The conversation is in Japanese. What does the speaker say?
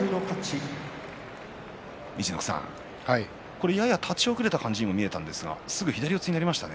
陸奥さんやや立ち遅れた感じにも見えましたがすぐ左四つになりましたね